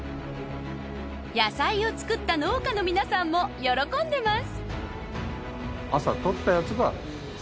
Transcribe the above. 野菜を作った農家のみなさんも喜んでます！